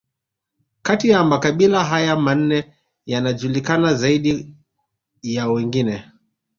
Kati ya makabila haya manne yanajulikana zaidi ya mengine